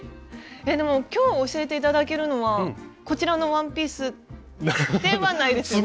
でも今日教えて頂けるのはこちらのワンピースではないですよね？